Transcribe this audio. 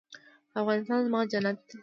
افغانستان زما جنت دی؟